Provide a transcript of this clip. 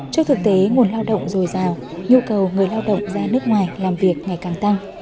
trước thực tế nguồn lao động dồi dào nhu cầu người lao động ra nước ngoài làm việc ngày càng tăng